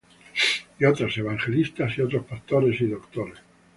y otros, evangelistas; y otros, pastores y doctores;